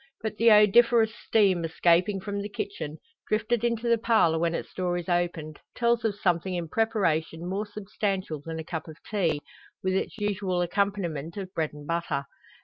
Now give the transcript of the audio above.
But the odoriferous steam escaping from the kitchen, drifted into the parlour when its door is opened, tells of something in preparation more substantial than a cup of tea, with its usual accompaniment of bread and butter.